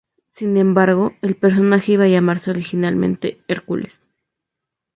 Sin embargo, el personaje iba a llamarse originalmente "Hercules".